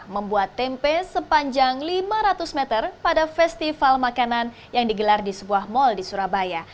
membuat tempe sepanjang lima ratus meter pada festival makanan yang digelar di sebuah mal di surabaya